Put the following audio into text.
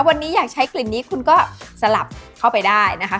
วันนี้อยากใช้กลิ่นนี้คุณก็สลับเข้าไปได้นะคะ